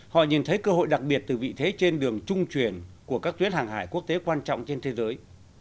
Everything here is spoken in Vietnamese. họ nhìn thấy cơ hội đặc biệt từ vị thế trên đường trung truyền của các tuyến hàng hải quốc tế quan trọng trên thế giới